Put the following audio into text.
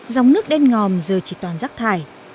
dòng nước đen ngòm giờ chỉ toàn rác thải